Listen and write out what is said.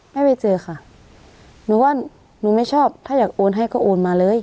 ไม่ไปเจอค่ะหนูว่าหนูไม่ชอบถ้าอยากโอนให้ก็โอนมาเลย